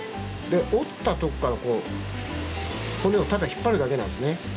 で折ったとこからこう骨をただ引っ張るだけなんですね。